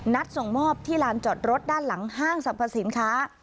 ส่งมอบที่ลานจอดรถด้านหลังห้างสรรพสินค้า